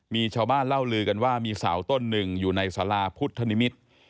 มีชาวบ้านเล่าลือกันว่ามีเสาต้นหนึ่งอยู่ในสาราพุทธนิมิตร